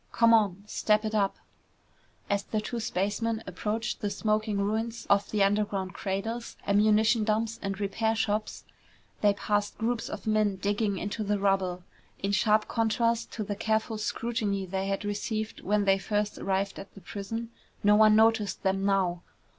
"Come on, step it up!" As the two spacemen approached the smoking ruins of the underground cradles, ammunition dumps, and repair shops, they passed groups of men digging into the rubble. In sharp contrast to the careful scrutiny they had received when they first arrived at the prison, no one noticed them now.